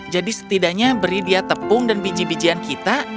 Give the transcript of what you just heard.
jadi setidaknya beri dia tepung dan biji bijian kita